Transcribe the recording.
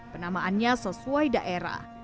penamaannya sesuai daerah